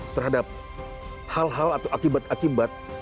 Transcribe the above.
terhadap hal hal atau akibat akibat